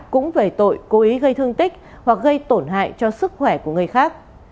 cũng về tội cố ý gây thương tích hoặc gây tổn hại cho sức khỏe của người khác